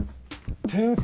天才。